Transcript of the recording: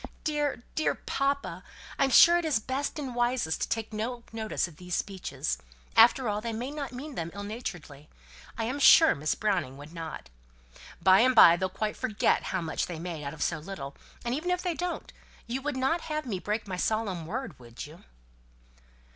Dear, dear papa, I'm sure it is best and wisest to take no notice of these speeches. After all, they may not mean them ill naturedly. I am sure Miss Browning would not. By and by they'll quite forget how much they made out of so little, and even if they don't, you would not have me break my solemn word, would you?"